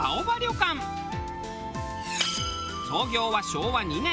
創業は昭和２年。